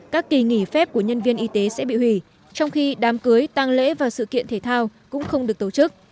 các kỳ nghỉ phép của nhân viên y tế sẽ bị hủy trong khi đám cưới tăng lễ và sự kiện thể thao cũng không được tổ chức